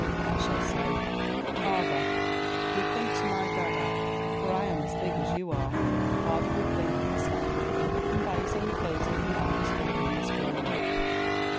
I shall say, "Father, give them to my dada, for I am as big as you are." Father will think and say, "He can buy his own clothes if he likes, for he is grown up."